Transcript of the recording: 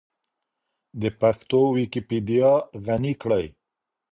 د پښتو ويکيپېډيا غني کړئ.